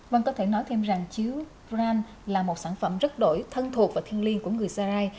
vâng có thể nói thêm rằng chiếu brand là một sản phẩm rất đổi thân thuộc và thiên liên của người sarai